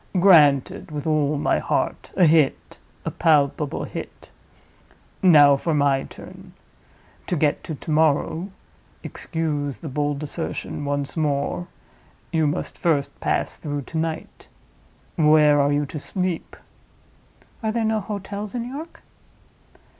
"Granted with all my heart—a hit, a palpable hit. Now for my turn. To get to to morrow (excuse the bold assertion, once more), you must first pass through to night. Where are you to sleep?" "Are there no hotels in York?"